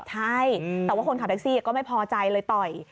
ใช่แต่ว่าคนขับแท็กซี่ก็ไม่พอใจเลยต่อย